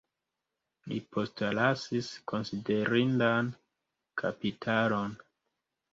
Li postlasis konsiderindan kapitalon.